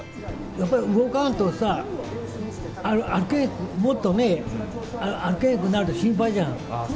やっぱり動かんとさ、もっとね、歩けなくなるって心配じゃん。